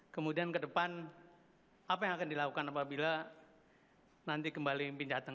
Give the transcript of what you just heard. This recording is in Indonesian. kemudian ke depan apa yang akan dilakukan apabila nanti kembali datang